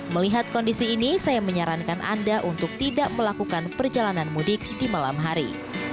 melihat kondisi ini saya menyarankan anda untuk tidak melakukan perjalanan mudik di malam hari